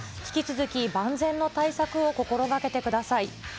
引き続き万全の対策を心がけてください。